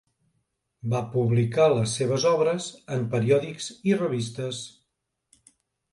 Va publicar les seves obres en periòdics i revistes.